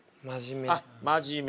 あっ真面目。